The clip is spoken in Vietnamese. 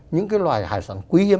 những cái loài hải sản quý hiếm